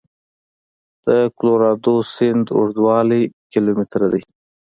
د کلورادو سیند اوږدوالی کیلومتره دی.